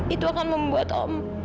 itu akan membuat om